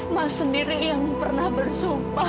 mas sendiri yang pernah bersumpah